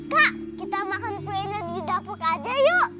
kak kita makan kuenya di dapur aja yuk